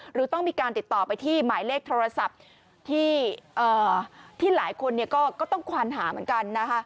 หรือต้องมีการติดต่อไปที่หมายเลขโทรศัพท์ที่หลายคนก็ต้องควานหาเหมือนกันนะคะ